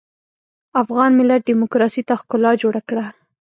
افغان ملت ډيموکراسۍ ته ښکلا جوړه کړه.